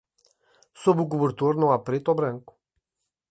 Sob o cobertor não há preto ou branco.